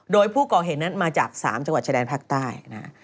โดยผู้ก่อเหตุนั้นมาจาก๓จังหวัดชายแดนภาคใต้นะฮะ